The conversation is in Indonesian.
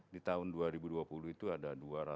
di tahun dua ribu dua puluh itu ada dua ratus dua puluh dua